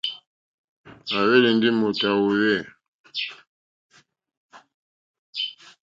À hwélì ndí mòtà wòòwê.